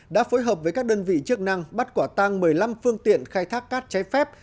đã phối hợp với các đơn vị chức năng bắt quả tăng một mươi năm phương tiện khai thác cát trái phép